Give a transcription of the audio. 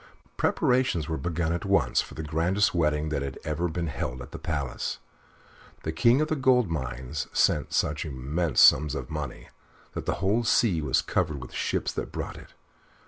Preparations were begun at once for the grandest wedding that had ever been held at the palace. The King of the Gold Mines sent such immense sums of money that the whole sea was covered with the ships that brought it.